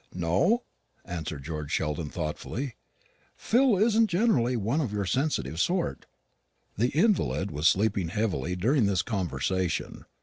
"No?" answered George Sheldon thoughtfully; "Phil isn't generally one of your sensitive sort." The invalid was sleeping heavily during this conversation.